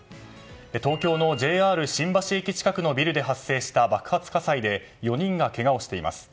東京のＪＲ新橋駅近くのビルで発生した爆発火災で４人がけがをしています。